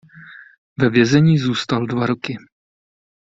Ve vězení zůstal dva roky.